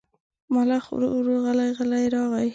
ملخ ورو ورو غلی غلی راغی.